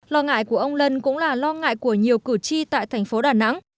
lo ngại của ông lân cũng là lo ngại của nhiều cử tri tại thành phố đà nẵng